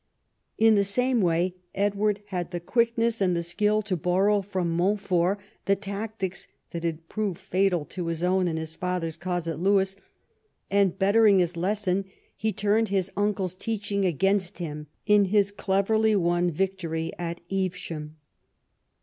In the same Avay Edward had the quickness and the skill to borrow from Montfort the tactics that had proved fatal to his own and his father's cause at Lewes, and, bettering his lesson, he turned his uncle's teaching against him in liis cleverly won victory at Evesham.